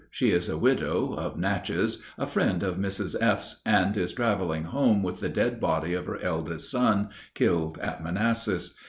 She is a widow, of Natchez, a friend of Mrs. F.'s, and is traveling home with the dead body of her eldest son, killed at Manassas.